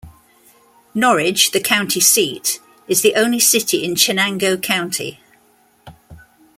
Norwich, the county seat, is the only city in Chenango County.